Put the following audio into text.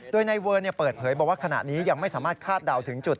โดยนายเวิร์นเปิดเผยบอกว่าขณะนี้ยังไม่สามารถคาดเดาถึงจุด